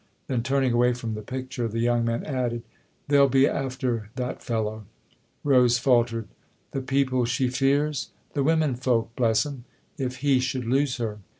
Then turning away from the picture, the young man added :" They'll be after that fellow !" Rose faltered. " The people she fears ?" "The women folk, bless 'em if he should lose her."